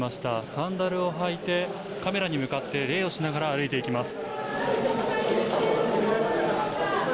サンダルを履いて、カメラに向かって礼をしながら歩いていきます。